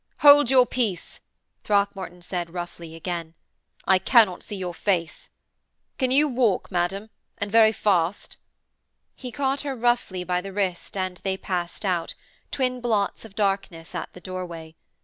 'Hold your peace,' Throckmorton said roughly, again, 'I cannot see your face. Can you walk, madam, and very fast?' He caught her roughly by the wrist and they passed out, twin blots of darkness, at the doorway.